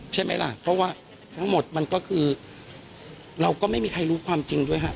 ใช่ไหมล่ะเพราะว่าทั้งหมดมันก็คือเราก็ไม่มีใครรู้ความจริงด้วยฮะ